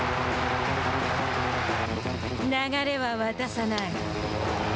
流れは渡さない。